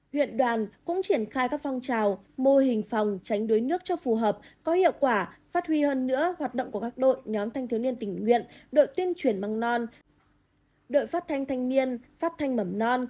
huyện đoàn cũng triển khai các phong trào mô hình phòng tránh đối nước cho phù hợp có hiệu quả phát huy hơn nữa hoạt động của ngã đội nhóm thanh thiếu niên tình nguyện